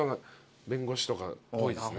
弁護士とかっぽいですね。